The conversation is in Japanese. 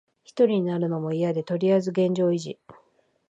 ひとりになるのもいやで、とりあえず現状維持。